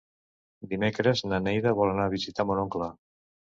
Dimecres na Neida vol anar a visitar mon oncle.